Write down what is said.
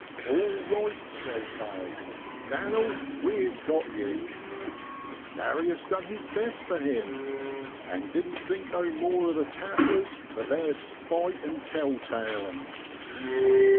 i Alright,' says they, 'Dan'l we've got ye.' Darius done his best for him, an' didn't think no more o' the tattlers for theer spite an' tell talin' !